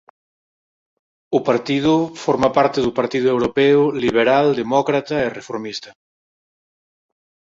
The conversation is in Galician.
O partido forma parte do Partido Europeo Liberal Demócrata e Reformista.